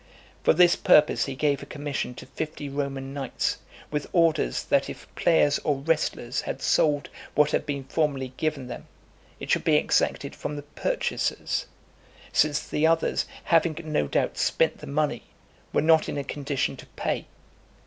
For this purpose he gave a commission to fifty Roman knights; with orders, that if players or wrestlers had sold what had been formerly given them, it should be exacted from the purchasers, since the others, having, no doubt, spent the money, were not in a condition to pay.